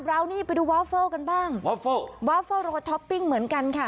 ราวนี่ไปดูวาเฟิลกันบ้างวาเฟิลวาเฟิลโรท็อปปิ้งเหมือนกันค่ะ